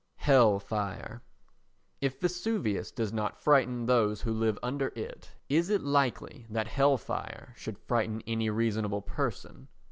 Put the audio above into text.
Hell Fire If Vesuvius does not frighten those who live under it, is it likely that Hell fire should frighten any reasonable person?